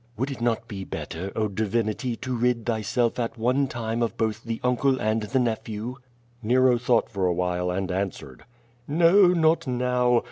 "Would it not be better, oh, Divinity, to rid thyself at one time of both the uncle and the nephew?" Nero thought for a while and answered. "No, not now.